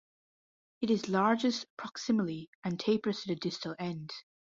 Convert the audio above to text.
It is largest proximally and tapers to the distal end.